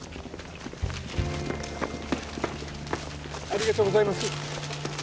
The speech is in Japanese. ありがとうございます